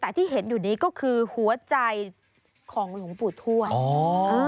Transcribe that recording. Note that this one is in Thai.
แต่ที่เห็นอยู่นี้ก็คือหัวใจของหลวงปู่ทวดอ๋อ